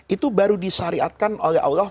itu baru disyariatkan oleh allah